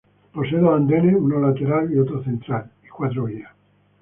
Posee dos andenes uno lateral y otro central y cuatro vías.